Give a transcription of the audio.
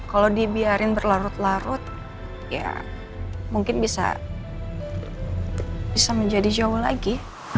kalau dibiarin berlarut larut ya mungkin bisa menjadi jauh lagi